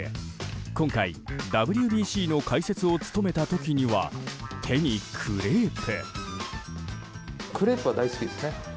今回、ＷＢＣの解説を務めた時には、手にクレープ。